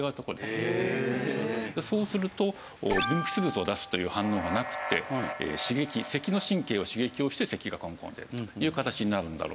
そうすると分泌物を出すという反応がなくて刺激咳の神経を刺激をして咳がコンコン出るという形になるんだろうと思います。